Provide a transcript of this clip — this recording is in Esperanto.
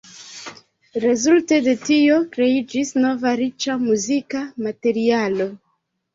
Rezulte de tio kreiĝis nova riĉa muzika materialo.